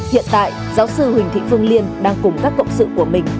hiện tại giáo sư huỳnh thị phương liên đang cùng các cộng sự của mình